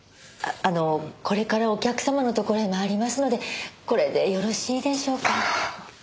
あのこれからお客様のところへ参りますのでこれでよろしいでしょうか？